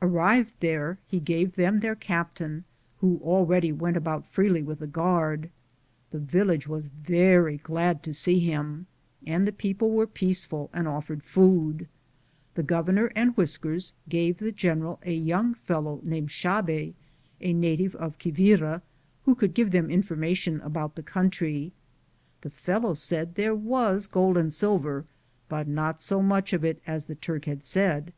Arrived there, he gave them their captain, who al ready went about freely with a guard. The village was very glad to see him, and the people were peaceful and offered food. The governor and Whiskers gave the general a young fellow called Xabe, a native of Qui vira, who could give them information about the country. This fellow said that there was gold and silver, but not so much of it as the Turk had said.